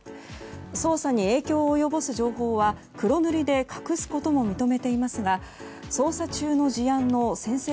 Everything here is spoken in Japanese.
捜査に影響を及ぼす情報は黒塗りで隠すことも認めていますが捜査中の事案の宣誓